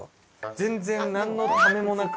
全然何のためもなく。